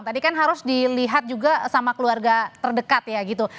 tadi kan harus dilihat juga sama keluarga terdekat ya gitu